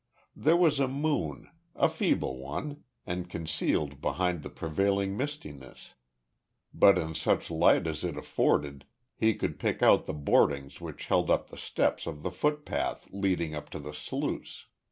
There was a moon, a feeble one, and concealed behind the prevailing mistiness, but in such light as it afforded he could pick out the boardings which held up the steps of the footpath leading up to the sluice.